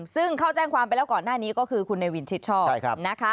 ซึ่งเขาแจ้งความไปแล้วก่อนหน้านี้ก็คือคุณเนวินชิดชอบนะคะ